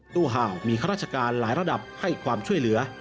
ตู้ห่าวมีข้าราชการหลายระดับให้ความช่วยเหลือ